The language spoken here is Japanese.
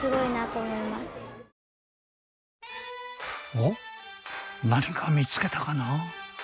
おっ何か見つけたかな？